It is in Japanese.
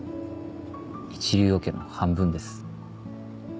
一流オケの半分です。